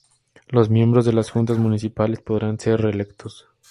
Los miembros de las Juntas Municipales podrán ser reelectos.